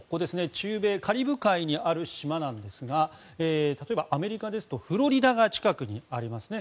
中米カリブ海にある島ですが例えば、アメリカですとフロリダが近くにありますね。